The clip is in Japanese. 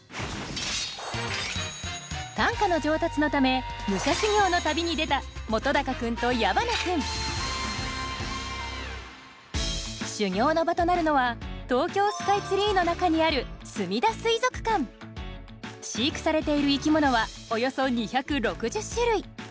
短歌の上達のため武者修行の旅に出た本君と矢花君修行の場となるのは東京スカイツリーの中にある飼育されている生き物はおよそ２６０種類。